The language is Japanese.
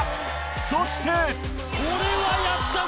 そして。